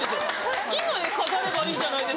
好きな絵飾ればいいじゃないですか。